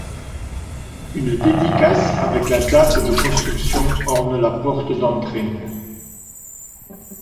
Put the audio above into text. Une dédicace avec la date de construction orne la porte d'entrée.